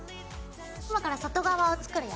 今から外側を作るよ。